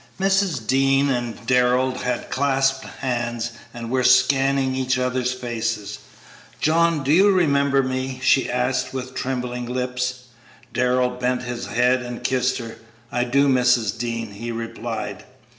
Mrs. Dean and Darrell had clasped hands and were scanning each other's faces. "John, do you remember me?" she asked, with trembling lips. Darrell bent his head and kissed her. "I do, Mrs. Dean," he replied.